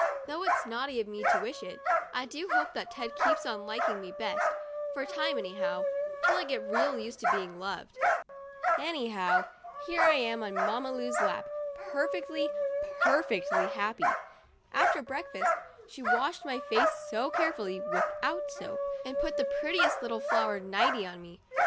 Though it's naughty of me to wish it, I do hope that Ted keeps on liking me best, for a time anyhow, till I get real used to being loved. 84 MAMMA LOVES ME phow, here I am on Mamma ip, perfectly, perfectly happy. >reakfast, she washed my face carefully (without soap) and nt the prettiest little flowered nighty '' on me.